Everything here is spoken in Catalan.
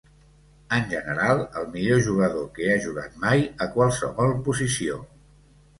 En general, el millor jugador que ha jugat mai a qualsevol posició.